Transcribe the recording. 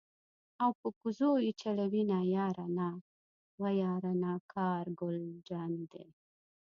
او په کوزو یې چلوینه یاره نا وه یاره نا کار ګل جانی دی.